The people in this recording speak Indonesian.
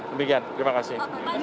demikian terima kasih